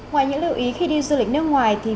ngoài những lưu ý khi đi du lịch nước ngoài